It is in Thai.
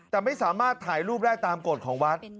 แต่ไม่สามารถถ่ายรูปได้ตามกฎของวัด